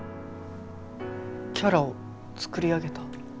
キャラを作り上げた？